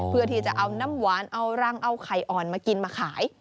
เพื่อที่จะเอาน้ำหวานเอารังเอาไข่อ่อนมากินมาขาย